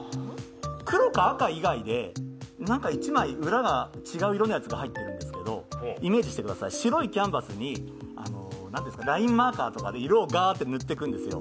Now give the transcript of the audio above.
黒か赤以外で、何か１枚裏が違う色のやつが入っているんですけど、イメージしてください、白いキャンバスにラインマーカーとかで色をガーって塗っていくんですよ。